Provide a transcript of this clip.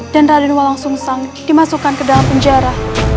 dan raden walang sungsang dimasukkan ke dalam penjara